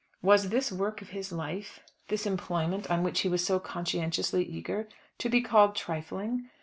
Was this work of his life, this employment on which he was so conscientiously eager, to be called trifling?